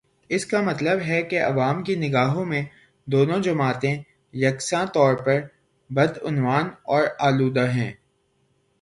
اس کا مطلب ہے کہ عوام کی نگاہوں میں دونوں جماعتیں یکساں طور پر بدعنوان اور آلودہ ہیں۔